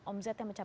om zetem mengatakan